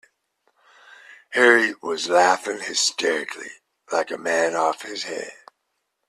Harry was laughing hysterically, like a man off his head.